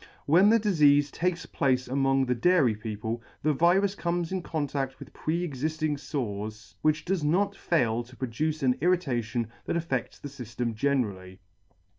When the difeafe takes place among the Dairy people, the virus comes in contaft with pre exifting fores, which does not fail to produce an irritation that affe&s the fyftem generally.